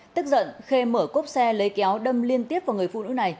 tức giận khê mở cốp xe lấy kéo đâm liên tiếp vào người phụ nữ này